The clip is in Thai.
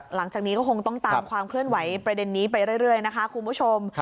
หลังจากนี้ก็คงต้องตามความเคลื่อนไหวประเด็นนี้ไปเรื่อยนะคะคุณผู้ชม